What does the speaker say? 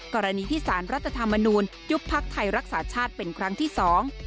กรณีที่สารรัฐธรรมนูลยุบพักไทยรักษาชาติเป็นครั้งที่สอง